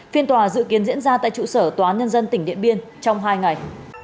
phiên tòa dự kiến diễn ra tại trụ sở tòa án nhân dân tỉnh điện biên trong hai ngày